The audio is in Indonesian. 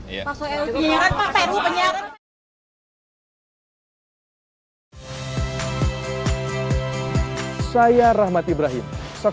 pak soel penyiaran pak